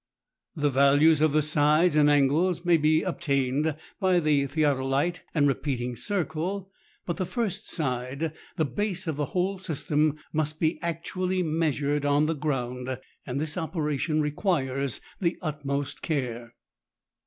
The values of the sides and angles may be obtained by the theodolite and repeating circle, but the first side, the base of the whole system, must be actually measured on the ground, and this operation requires the utmost care.